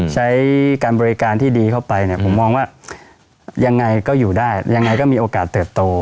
ใช้การบริการที่ดีเข้าไปเนี่ยผมมองว่ายังไงก็อยู่ได้ยังไงก็มีโอกาสเติบโต